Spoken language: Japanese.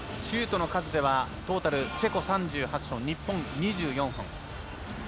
シュートの数ではトータルチェコ３８本、日本が２４本。